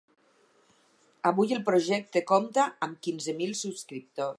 Avui el projecte compta amb quinze mil subscriptors.